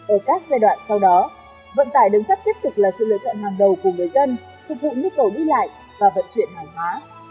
ở các giai đoạn sau đó vận tải đường sắt tiếp tục là sự lựa chọn hàng đầu của người dân phục vụ nhu cầu đi lại và vận chuyển hàng hóa